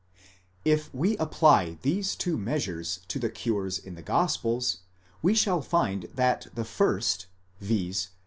If we apply these two measures to the cures in the gospels, we shall find that the first, viz.